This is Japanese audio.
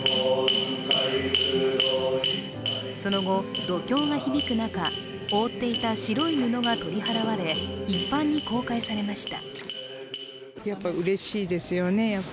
その後、読経が響く中、覆っていた白い布が取り払われ、一般に公開されました。